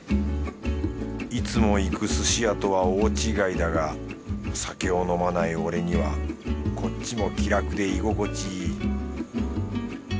いつも行く寿司屋とは大違いだが酒を飲まない俺にはこっちも気楽で居心地いい